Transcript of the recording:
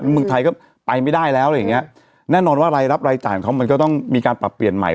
เมืองไทยก็ไปไม่ได้แล้วอะไรอย่างเงี้ยแน่นอนว่ารายรับรายจ่ายของเขามันก็ต้องมีการปรับเปลี่ยนใหม่